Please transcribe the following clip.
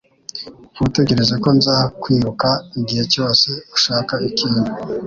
Ntutegereze ko nza kwiruka igihe cyose ushaka ikintu